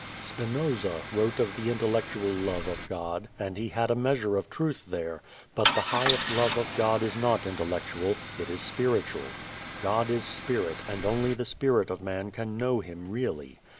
Spinoza wrote of the intellectual love of God, and he had a measure of truth there; but the highest love of God is not intellectual, it is spiritual. God is spirit and only the spirit of man can know Him really.